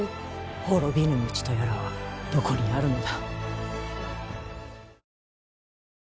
滅びぬ道とやらはどこにあるのだ。